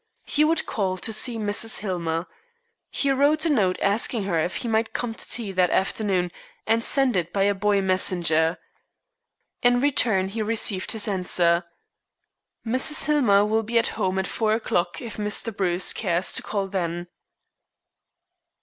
He would call to see Mrs. Hillmer. He wrote a note asking her if he might come to tea that afternoon, and sent it by a boy messenger. In return he received this answer. "Mrs. Hillmer will be at home at four o'clock if Mr. Bruce cares to call then."